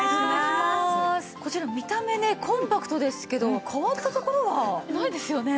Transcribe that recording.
こちら見た目ねコンパクトですけど変わったところはないですよね？